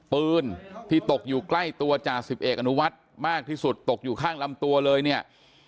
ปืนที่ตกอยู่ใกล้ตัวจ่าสิบเอกอนุวัฒน์มากที่สุดตกอยู่ข้างลำตัวเลยเนี่ย